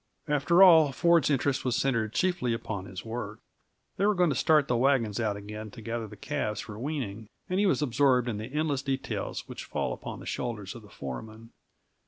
After all, Ford's interest was centered chiefly upon his work. They were going to start the wagons out again to gather the calves for weaning, and he was absorbed in the endless details which fall upon the shoulders of the foreman.